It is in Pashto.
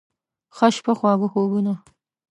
ښه شپه، خواږه خوبونه